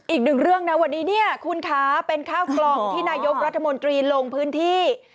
อีกหนึ่งเรื่องนะวันนี้เนี่ยคุณคะเป็นข้าวกล่องที่นายกรัฐมนตรีลงพื้นที่